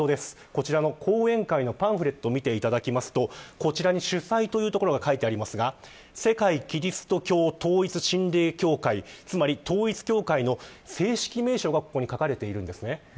こちらの後援会のパンフレットを見ていただきますとこちらに主催ということが書いてありますが世界基督教統一神霊教会つまり統一教会の正式名称がここに書かれているんですね。